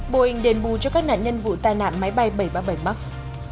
boeing đền bù cho các nạn nhân vụ tai nạn máy bay bảy trăm ba mươi bảy max